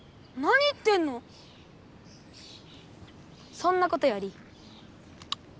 そんなことより。